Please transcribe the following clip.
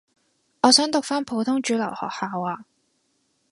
我想讀返普通主流學校呀